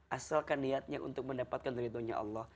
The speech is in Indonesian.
asalkan niatnya untuk mendapatkan ridhonya allah